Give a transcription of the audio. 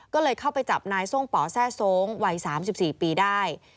ก็เลยเข้าไปจับนายทรงป่อแทร่โซ้งวัย๓๔ปีได้